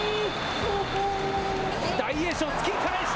大栄翔、突き返した。